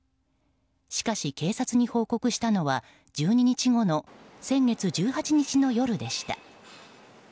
しかし、警察に報告したのは１２日後の先月１８日の夜でした。